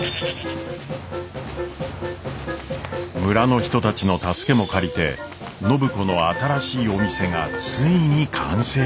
村の人たちの助けも借りて暢子の新しいお店がついに完成しました。